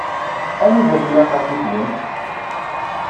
Anida tella xalti-twent?